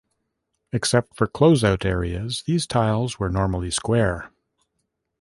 Except for closeout areas, these tiles were normally square.